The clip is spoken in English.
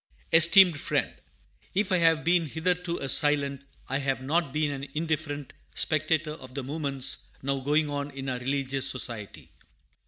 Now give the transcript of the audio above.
ESTEEMED FRIEND, If I have been hitherto a silent, I have not been an indifferent, spectator of the movements now going on in our religious Society.